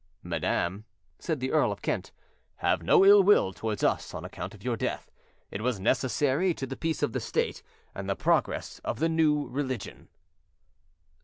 "Madam," said the Earl of Kent, "have no ill will towards us on account of your death; it was necessary to the peace of the State and the progress of the new religion."